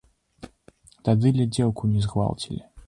Тады ледзь дзеўку не згвалцілі.